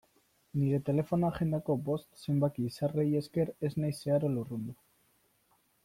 Nire telefono-agendako bost zenbaki izarrei esker ez naiz zeharo lurrundu.